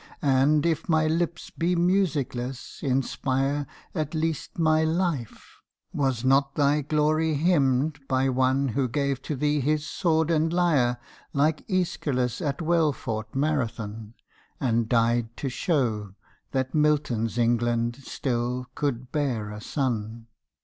And, if my lips be musicless, inspire At least my life: was not thy glory hymned By One who gave to thee his sword and lyre Like Æschylos at well fought Marathon, And died to show that Milton's England still could bear a son!